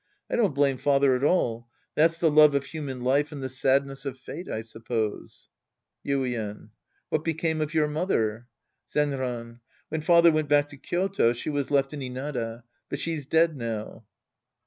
I don't blame father at all. That's the love of human life and the sadness of fate, I suppose. Yuien. What became of your mother ? Zenran. When father went back to Kyoto, she was left in Inada, but she's dead now.